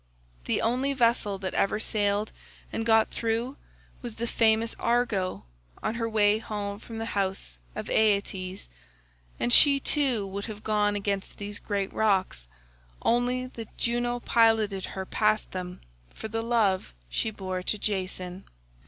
The only vessel that ever sailed and got through, was the famous Argo on her way from the house of Aetes, and she too would have gone against these great rocks, only that Juno piloted her past them for the love she bore to Jason.